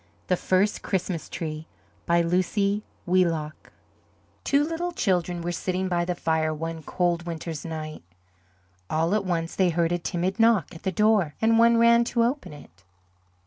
THE FIRST CHRISTMAS TREE BY LUCY WHEELOCK Two little children were sitting by the fire one cold winter's night. All at once they heard a timid knock at the door and one ran to open it.